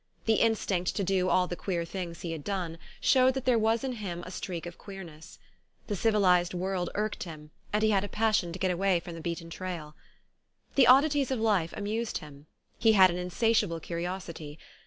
The instinct to do all the queer things he had done showed that there was in him a streak of queerness. The civilised world irked him and he had a passion to get away from the beaten trail. The oddities of life amused him. He had an insatiable curi osity.